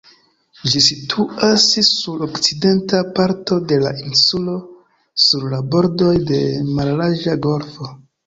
Ĝi situas sur okcidenta parto de la insulo, sur du bordoj de mallarĝa golfo.